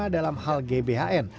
dalam hal gbhn